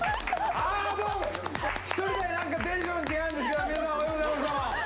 あーどうも、１人だけテンション違うんですけど、皆さん、おはようございます。